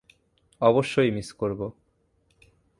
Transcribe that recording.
অবশ্যই মিস করবো।